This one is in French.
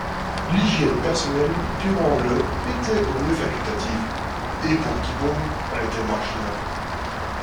L'hygiène personnelle durant le était au mieux facultative, et pour Gibbon elle était marginale.